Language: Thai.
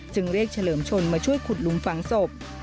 จึงเรียกเฉลิมชนมาช่วยขุดลุมฝังศพ